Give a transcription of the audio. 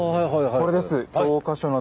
これです。